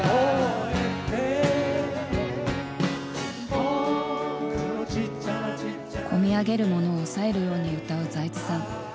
「僕のちっちゃな」こみ上げるものを抑えるように歌う財津さん。